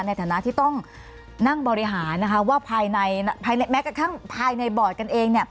ในฐานะที่ต้องนั่งบริหารว่าภายในแม้กระทั่งภายในบอร์ดกันเอง